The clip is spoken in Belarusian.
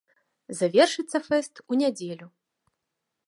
Завершыцца фэст у нядзелю.